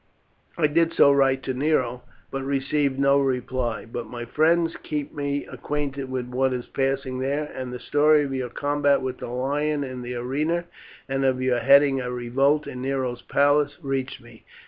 I did so write to Nero, but received no reply; but my friends keep me acquainted with what is passing there, and the story of your combat with the lion in the arena, and of your heading a revolt in Nero's palace reached me.